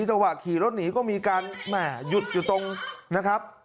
จังหวะขี่รถหนีก็มีการแหม่หยุดอยู่ตรงนะครับ